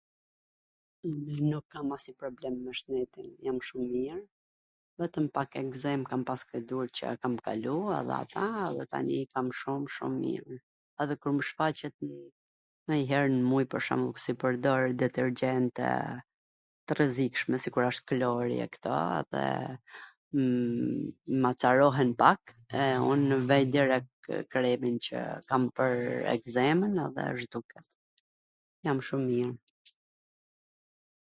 Un nuk kam asnjw problem me shnetin, jam shum mir, vetwm pak ekzem kam pas, duket qw e kam kalu edhe ata dhe tani i kam shum shum mir, edhe kur mw shfaqet nanjwher n muj pwr shwmbull, se pwrdor detergjente t rrezikshme sikur asht klori e kto, e m acarohen pak, e unw vej direkt kremin qw kam pwr ekzemwn edhe zhduket, jam shum mir.